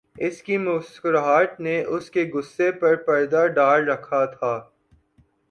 اُس کی مسکراہٹ نے اُس کے غصےپر پردہ ڈال رکھا تھا